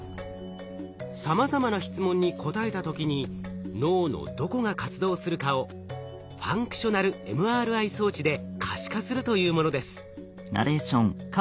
さまざまな質問に答えた時に脳のどこが活動するかをｆＭＲＩ装置で可視化するというものです。